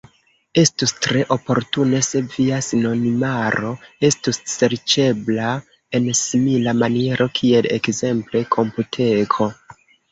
Estus tre oportune, se via sinonimaro estus serĉebla en simila maniero kiel ekzemple Komputeko.